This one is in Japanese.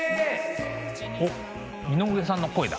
おっ井上さんの声だ。